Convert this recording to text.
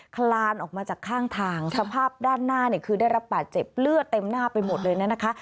คลานออกมาจากข้างทางสภาพด้านหน้าเนี่ยคือได้รับบาดเจ็บเลือดเต็มหน้าไปหมดเลยนะคะ